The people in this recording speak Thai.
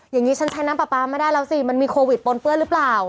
อย่างนี้ฉันใช้น้ำปลาปลาไม่ได้แล้วสิมันมีโควิดปนเปื้อนหรือเปล่า